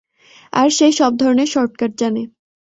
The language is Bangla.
আর সে সব ধরনের শর্টকাট জানে।